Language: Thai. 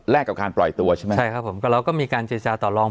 กับการปล่อยตัวใช่ไหมใช่ครับผมก็มีการเจรจาต่อลอง